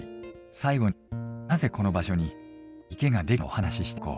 最後になぜこの場所に池が出来たのかお話ししておこう。